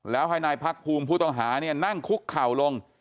แล้วให้นายพักภูมิผู้ต้องหาเนี่ยนั่งคุกเข่าลง